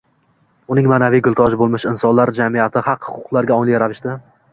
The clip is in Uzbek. uning ma’naviy gultoji bo‘lmish insonlar jamiyati haq-huquqlarga ongli ravishda